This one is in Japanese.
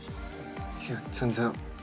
いえ全然。